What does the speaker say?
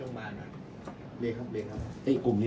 ส่วนสุดท้ายส่วนสุดท้าย